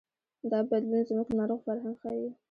دا بدلون زموږ ناروغ فرهنګ ښيي.